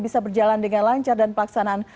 bisa berjalan dengan lancar dan kita berharap